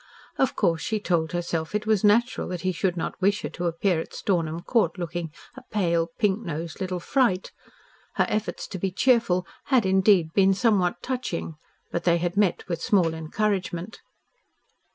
Of course she told herself it was natural that he should not wish her to appear at Stornham Court looking a pale, pink nosed little fright. Her efforts to be cheerful had indeed been somewhat touching, but they had met with small encouragement.